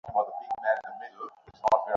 সে Asgardian বাচ্চাদের তুলে নিয়ে গেছে।